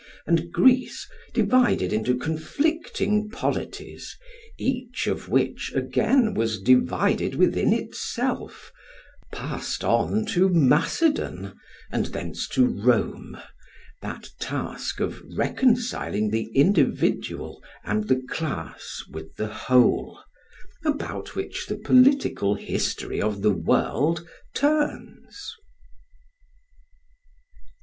And Greece, divided into conflicting polities, each of which again was divided within itself, passed on to Macedon and thence to Rome that task of reconciling the individual and the class with the whole, about which the political history of the world turns.